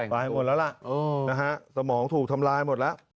ป้ายหมดแล้วล่ะเออนะฮะสมองถูกทำร้ายหมดแล้ว